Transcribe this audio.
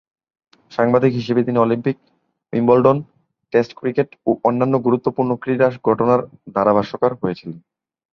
সাংবাদিক হিসেবে তিনি অলিম্পিক, উইম্বলডন, টেস্ট ক্রিকেট ও অন্যান্য গুরুত্বপূর্ণ ক্রীড়া ঘটনার ধারাভাষ্যকার হয়েছিলেন।